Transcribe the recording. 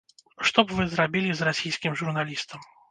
Што б вы зрабілі з расійскім журналістам?